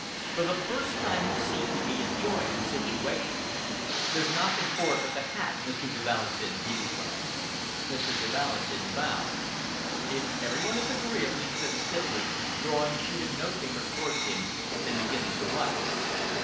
For the first time, he seemed to be enjoying the situation. "There's nothing for it but the hat, Mr. de Valentin," he declared. Mr. de Valentin bowed. "If every one is agreeable," he said stiffly, drawing a sheet of note paper towards him and beginning to write.